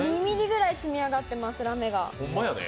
２ｍｍぐらい積み上がってますラメが。